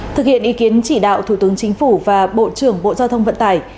thực hiện ý kiến chỉ đạo thủ tướng chính phủ và bộ trưởng bộ giao thông vận tải